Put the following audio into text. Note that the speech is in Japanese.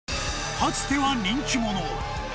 かつては人気者